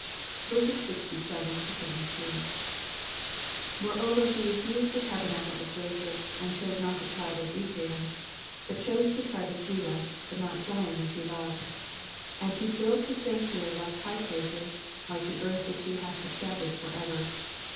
67 Moreover he refused the tabernacle of Joseph, and chose not the tribe of Ephraim : 68 But chose the tribe of Judah, the mount Zion which he loved. 69 And he built his sanctuary like high palaces, like the earth which he hath established for ever.